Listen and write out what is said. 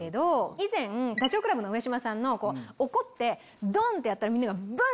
以前ダチョウ倶楽部の上島さんの怒ってドン！ってやったらみんながブン！